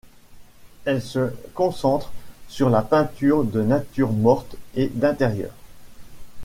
Elle se concentre sur la peinture de natures mortes et d'intérieurs.